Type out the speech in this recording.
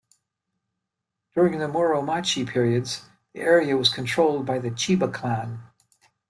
During the Muromachi periods, the area was controlled by the Chiba clan.